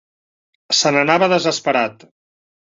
Se'n anava desesperat